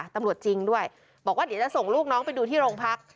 ตำรวจจริงด้วยบอกว่าเดี๋ยวจะส่งลูกน้องไปดูที่โรงพัก